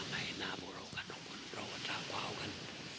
มีหน้าพวกเรากันข้างบนเราจะกว้าวกัน